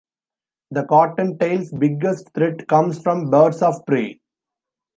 The cottontail's biggest threat comes from birds of prey.